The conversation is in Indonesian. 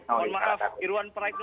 itu salah satu faktornya ya